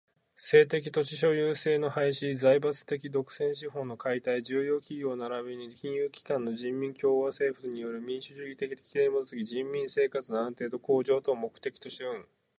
日本人民共和国の経済は封建的寄生的土地所有制の廃止、財閥的独占資本の解体、重要企業ならびに金融機関の人民共和政府による民主主義的規制にもとづき、人民生活の安定と向上とを目的として運営される。